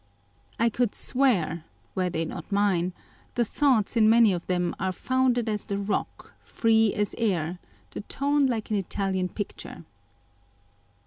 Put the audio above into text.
I could swear (were they not mine) the thoughts in many of them are founded as the rock, free as air, the tone like an Italian picture.